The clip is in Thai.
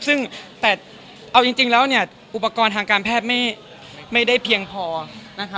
ซึ่งแต่เอาจริงแล้วเนี่ยอุปกรณ์ทางการแพทย์ไม่ได้เพียงพอนะคะ